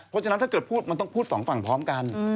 เพราะฉะนั้นถ้าเกิดพูดมันต้องพูดสองฝั่งพร้อมกัน